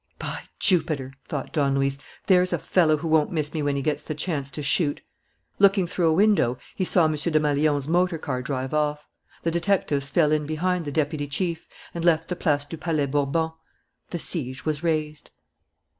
"By Jupiter!" thought Don Luis. "There's a fellow who won't miss me when he gets the chance to shoot!" Looking through a window, he saw M. Desmalions's motor car drive off. The detectives fell in behind the deputy chief and left the Place du Palais Bourbon. The siege was raised.